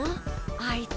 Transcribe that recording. あいつ。